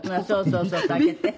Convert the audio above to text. そうそう開けて？